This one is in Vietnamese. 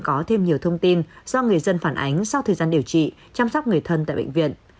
có thêm nhiều thông tin do người dân phản ánh sau thời gian điều trị chăm sóc người thân tại bệnh viện